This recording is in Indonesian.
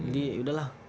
jadi udah lah